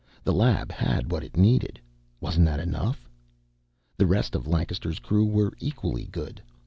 The lab had what it needed wasn't that enough? The rest of Lancaster's crew were equally good.